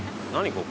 ここ。